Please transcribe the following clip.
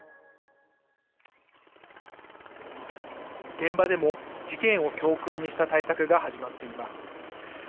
現場でも、事件を教訓にした対策が始まっています。